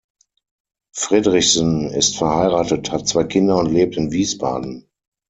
Friedrichsen ist verheiratet, hat zwei Kinder und lebt in Wiesbaden.